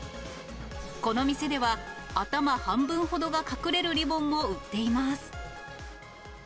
この店では、頭半分ほどが隠れるリボンを売っています。